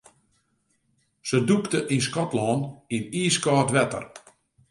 Se dûkte yn Skotlân yn iiskâld wetter.